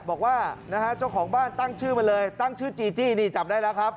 บอกว่าเจ้าของบ้านตั้งชื่อมาเลยจับได้ละครับ